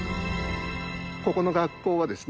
ここの学校はですね